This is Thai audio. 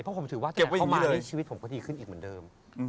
เพราะผมถือว่าเก็บไว้เลยชีวิตผมก็ดีขึ้นอีกเหมือนเดิม